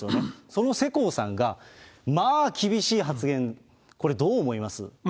その世耕さんが、まあ厳しい発言、これ、どう思います？